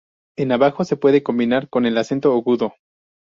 En navajo se puede combinar con el acento agudo.